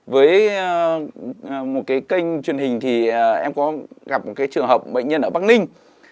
với một cái kênh truyền hình thì em có gặp một cái trường hợp bệnh nhân ở bắc ninh